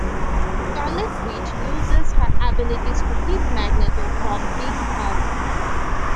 Scarlet Witch uses her abilities to keep Magneto from being harmed.